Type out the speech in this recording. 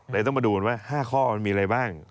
ต้องมาดูกันว่า๕ข้อมันมีอะไรบ้าง